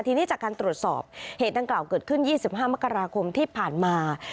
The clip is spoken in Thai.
ทีนี้จากการตรวจสอบเหตุดังกล่าวเกิดขึ้น๒๕มกราคมที่ผ่านมา